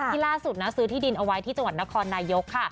ล่าสุดนะซื้อที่ดินเอาไว้ที่จังหวัดนครนายกค่ะ